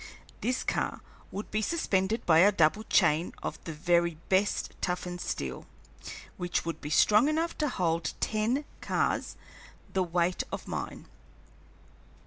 This car would be suspended by a double chain of the very best toughened steel, which would be strong enough to hold ten cars the weight of mine.